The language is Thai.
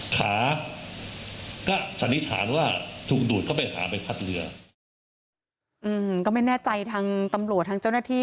ก็ไม่แน่ใจทางตำรวจทางเจ้าหน้าที่